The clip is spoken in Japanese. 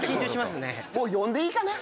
もう呼んでいいかな？